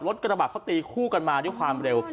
กระบะเขาตีคู่กันมาด้วยความเร็ว